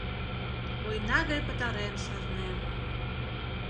Война гай пытарен шарнем.